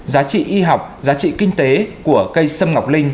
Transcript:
giá trị y học giá trị kinh tế của cây sâm ngọc linh